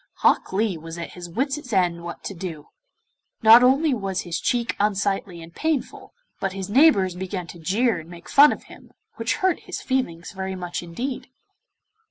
Hok Lee was at his wits' ends what to do. Not only was his cheek unsightly and painful, but his neighbours began to jeer and make fun of him, which hurt his feelings very much indeed.